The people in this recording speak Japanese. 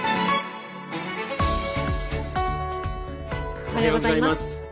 おはようございます。